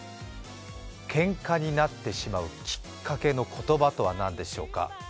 けんかになってしまうきっかけの言葉とはなんでしょうか。